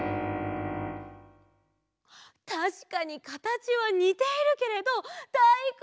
たしかにかたちはにているけれどだいこんじゃないんです！